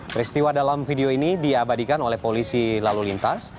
peristiwa dalam video ini diabadikan oleh polisi lalu lintas